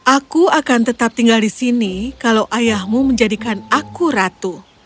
aku akan tetap tinggal di sini kalau ayahmu menjadikan aku ratu